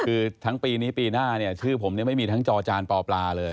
คือทั้งปีนี้ปีหน้าเนี่ยชื่อผมไม่มีทั้งจอจานปอปลาเลย